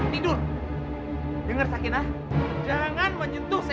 jangan jatuh pusing diri kamu ada komplikasi